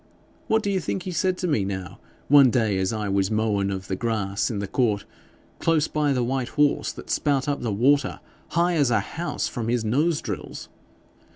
What do you think he said to me, now, one day as I was a mowin' of the grass in the court, close by the white horse that spout up the water high as a house from his nose drills?